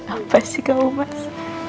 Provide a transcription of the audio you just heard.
apa sih kamu pas